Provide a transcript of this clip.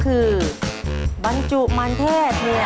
คือบรรจุมันเทศเนี่ย